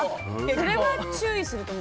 それは注意すると思う。